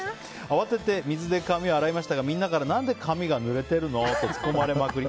慌てて水で髪を洗いましたがみんなから何で髪がぬれてるの？と突っ込まれまくり。